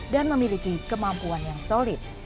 dan memiliki kemampuan yang solid